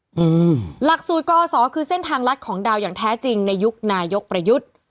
หลักสูตรกศคือเส้นทางลัดของดาวอย่างแท้จริงในยุคนายกประยุทธ์